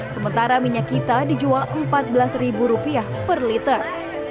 sementara minyak kita dijual rp empat belas per liter